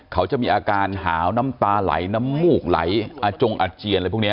เขาจะมีอาการหาวน้ำตาไหลน้ำมูกไหลอาจงอาเจียนอะไรพวกนี้